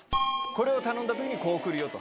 これを頼んだときにこう来るよって。